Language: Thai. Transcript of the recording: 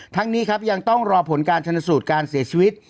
ทั้งนี้ครับยังต้องรอผลการชนสูตรการเสียชีวิต